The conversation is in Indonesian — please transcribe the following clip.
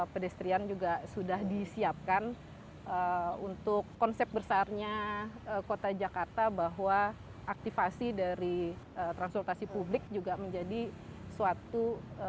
pedestrian juga sudah disiapkan untuk konsep besarnya kota jakarta bahwa aktifasi dari transportasi publik juga menjadi suatu